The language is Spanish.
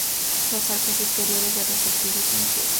Los arcos exteriores de los ábsides son ciegos.